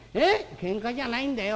「けんかじゃないんだよ。